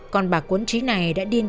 còn bà cuốn trí này đã điên bạc